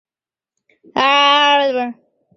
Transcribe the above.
丝叶紫堇为罂粟科紫堇属下的一个种。